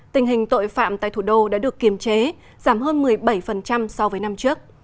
tình hình tội phạm tại thủ đô đã được kiềm chế giảm hơn một mươi bảy so với năm trước